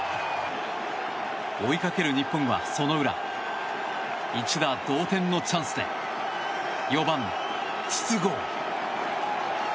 追いかける日本は、その裏。一打同点のチャンスで４番、筒香。